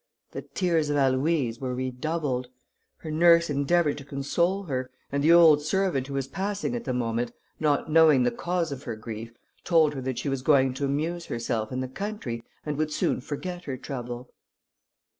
The tears of Aloïse were redoubled; her nurse endeavoured to console her, and the old servant who was passing at the moment, not knowing the cause of her grief, told her that she was going to amuse herself in the country, and would soon forget her trouble.